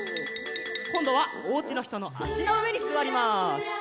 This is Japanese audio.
こんどはおうちのひとのあしのうえにすわります。